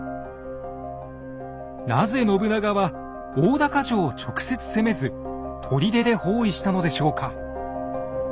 なぜ信長は大高城を直接攻めず砦で包囲したのでしょうか？